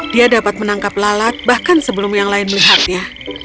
dia dapat menangkap lalat bahkan sebelum yang lain melihatnya